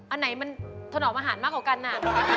อันไหนมันถนอมอาหารมากกว่ากันน่ะ